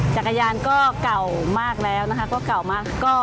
จักรยานก็เก่ามากแล้วนะคะก็เก่ามาก